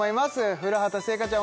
古畑星夏ちゃん